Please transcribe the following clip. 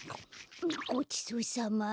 ごちそうさま。